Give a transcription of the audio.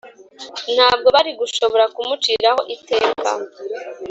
Ntabwo bari gushobora kumuciraho iteka